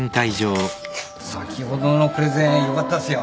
先ほどのプレゼンよかったっすよ。